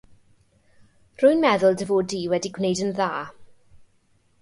Rwy'n meddwl dy fod di wedi gwneud yn dda.